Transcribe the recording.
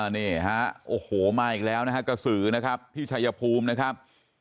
นี่ฮะโอ้โหมาอีกแล้วนะฮะกระสือนะครับที่ชายภูมินะครับ